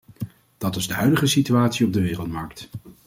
Dat is de huidige situatie op de wereldmarkt.